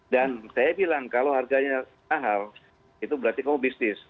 dan saya bilang kalau harganya mahal itu berarti kamu bisnis